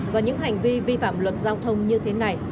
và những hành vi vi phạm luật giao thông như thế này